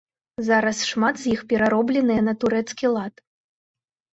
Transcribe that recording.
Зараз шмат з іх пераробленыя на турэцкі лад.